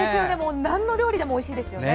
なんの料理でもおいしいですよね。